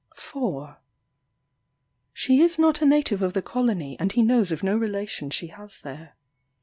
4. She is not a native of the colony, and he knows of no relation she has there.